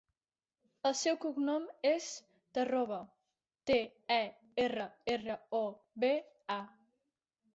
El seu cognom és Terroba: te, e, erra, erra, o, be, a.